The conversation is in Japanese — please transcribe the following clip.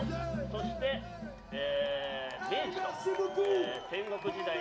そして明治と戦国時代